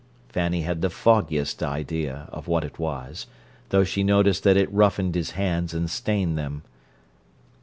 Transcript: Fanny had the foggiest idea of what it was, though she noticed that it roughened his hands and stained them.